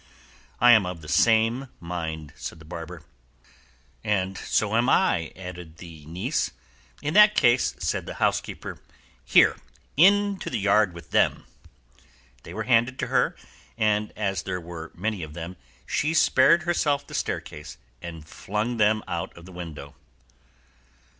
"I am of the same mind," said the barber. "And so am I," added the niece. "In that case," said the housekeeper, "here, into the yard with them!" They were handed to her, and as there were many of them, she spared herself the staircase, and flung them down out of the window.